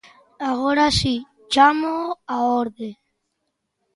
Agora si, chámoo á orde.